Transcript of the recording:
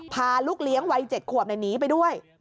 พาลูกเลี้ยงวัย๗ขวบหนีไปด้วย